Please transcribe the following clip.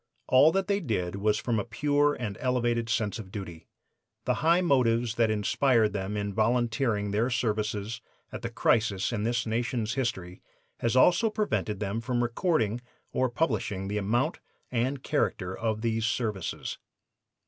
All that they did was from a pure and elevated sense of duty. The high motives that inspired them in volunteering their services at the crisis in this nation's history has also prevented them from recording or publishing the amount and character of these services.